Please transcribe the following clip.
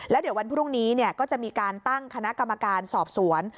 แล้วเดี๋ยววันพรุ่งนี้ก็จะมีการตั้งคณะกรรมการสอบสวน